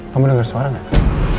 kamu denger suara gak